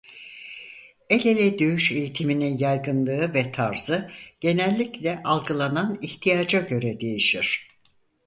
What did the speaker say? El ele dövüş eğitiminin yaygınlığı ve tarzı genellikle algılanan ihtiyaca göre değişir.